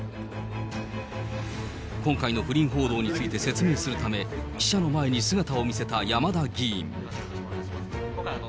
今回の不倫報道について説明するため、記者の前に姿を見せた山田議員。